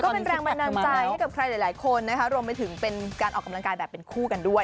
ก็เป็นแปลงแบนนำใจให้ใครคนรวมไปถึงเป็นการออกกำลังกายแบบเป็นคู่กันด้วย